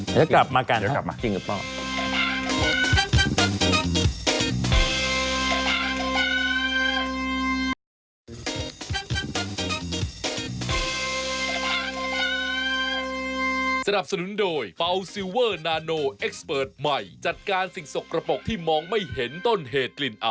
เดี๋ยวกลับมากันครับเดี๋ยวกลับมาจริงหรือเปล่า